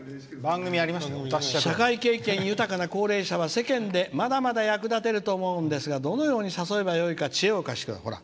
「社会経験豊かな高齢者は世間で、まだまだ役立てると思うんですが、どのように誘えばよいか知恵を貸してください」。